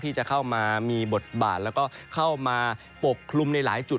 ที่จะเข้ามามีบทบาทแล้วก็เข้ามาปกคลุมในหลายจุด